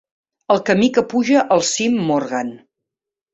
El camí que puja al cim Morgan.